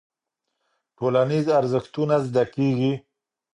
ټولنيز ارزښتونه زده کيږي.